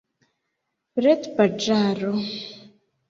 retpaĝaro